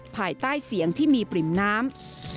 ภายใต้เสียงที่มีปริ่มน้ำ